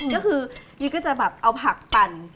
ก็คือยี๊ยก็จะแบบเอาผักปั่น